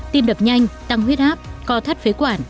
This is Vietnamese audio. tim đập nhanh tăng huyết áp co thắt phế quản